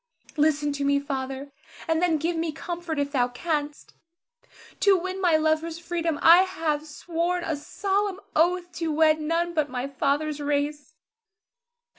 Listen to me, Father, and then give me comfort if thou canst. To win my lover's freedom, I have sworn a solemn oath to wed none but of my father's race.